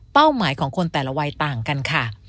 หมายของคนแต่ละวัยต่างกันค่ะ